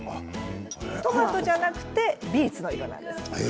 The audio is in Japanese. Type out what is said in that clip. トマトじゃなくてビーツの色なんです。